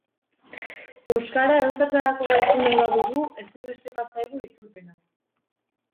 Euskara edozertarako gaitu nahi badugu, ezinbestekoa zaigu itzulpena.